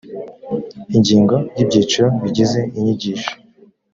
ingingo y’byiciro bigize inyigisho